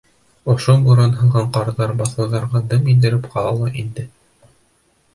Ошо буран һалған ҡарҙар баҫыуҙарға дым индереп ҡала ла инде.